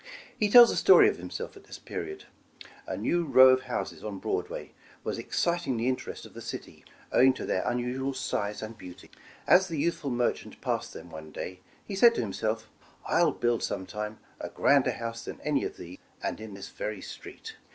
He tells a story of himself at this period. A new row of houses on Broadway was exciting the interest of the city, owing to their unusual size and beauty. As the youthful merchant passed them one day, he said to himself, "I'll build sometime, a grander house than any of these, and in this very street."